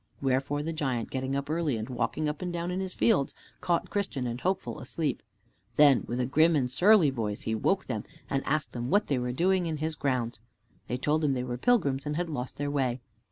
Wherefore the giant, getting up early, and walking up and down in his fields, caught Christian and Hopeful asleep. Then with a grim and surly voice he woke them, and asked them what they were doing in his grounds. They told him they were pilgrims and had lost their way.